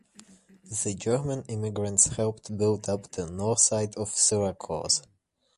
The German immigrants helped build up the Northside of Syracuse.